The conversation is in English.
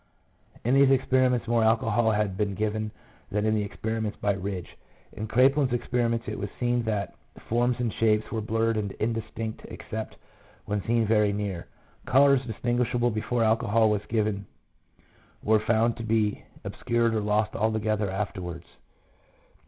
In these experiments more alcohol had been given than in the experiments by Ridge. In Kraepelin's experiments it was seen that forms and shapes were blurred and indistinct except when seen very near. Colours distinguishable before alcohol was given were found to be obscured or lost altogether afterwards.